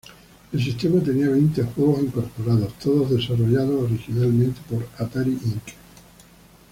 El sistema tenía veinte juegos incorporados, todos desarrollados originalmente por Atari Inc.